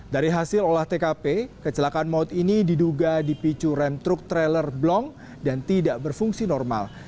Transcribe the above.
dari hasil olah tkp kecelakaan maut ini diduga dipicu rem truk trailer blong dan tidak berfungsi normal